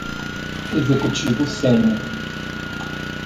Executivo sênior